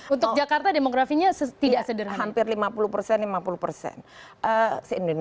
untuk jakarta demografinya tidak sederhana